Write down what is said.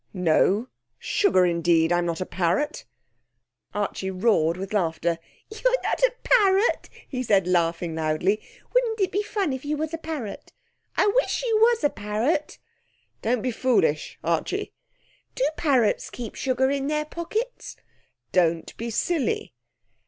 'No. Sugar, indeed! I'm not a parrot.' Archie roared with laughter. 'You're not a parrot!' he said, laughing loudly. 'Wouldn't it be fun if you was a parrot. I wish you was a parrot.' 'Don't be foolish, Archie.' 'Do parrots keep sugar in their pockets?' 'Don't be silly.'